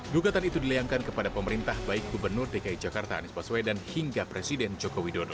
gugatan itu dilayangkan kepada pemerintah baik gubernur dki jakarta anies baswedan hingga presiden joko widodo